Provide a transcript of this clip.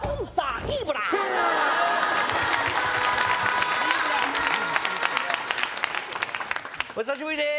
ハー！お久しぶりです